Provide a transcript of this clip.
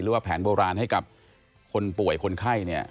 หรือว่าแผนโบราณให้กับคนป่วยคนไข้